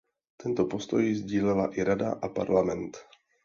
Tento postoj sdílela i Rada a Parlament.